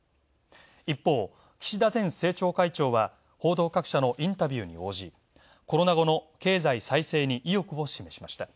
一方、岸田前政調会長は報道各社のインタビューに応じコロナ後の経済再生に意欲を示しました。